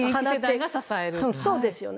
そうですよね。